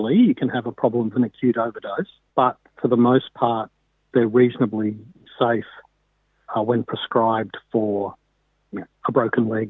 mereka bisa berbahaya dan mereka bisa menjadi masalah bagi orang orang